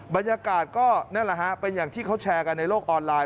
บรรยากาศก็นั่นแหละฮะเป็นอย่างที่เขาแชร์กันในโลกออนไลน์